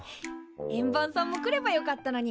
円盤さんも来ればよかったのに。